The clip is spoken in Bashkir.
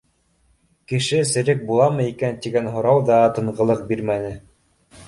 Кеше серек буламы икән тигән һорау ҙа тынғылыҡ бирмәне.